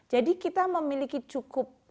jadi kita memiliki cukup